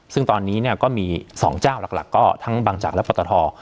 ซึ่งตอนนี้ก็มีสองเจ้าหลักก็ทั้งบางจักรและปัตตาทอร์